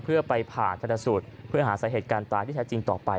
เพื่อไปผ่าธนสูตรเพื่อหาสาเหตุการณ์ตายที่แท้จริงต่อไป